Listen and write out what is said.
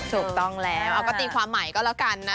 ถูกต้องแล้วเอาก็ตีความใหม่ก็แล้วกันนะ